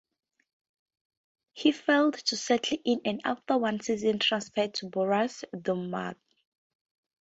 He failed to settle in and after one season transferred to Borussia Dortmund.